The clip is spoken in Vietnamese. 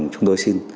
chúng tôi xin